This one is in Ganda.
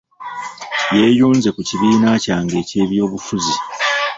Yeeyunze ku kibiina kyange eky'ebyobufuzi.